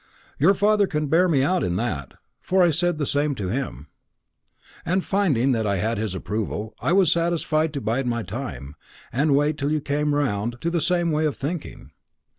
Your father can bear me out in that, for I said the same to him. And finding that I had his approval, I was satisfied to bide my time, and wait till you came round to the same way of thinking.